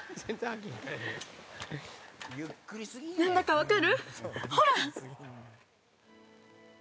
何だか分かる？